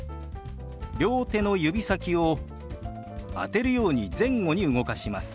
両手の指先を当てるように前後に動かします。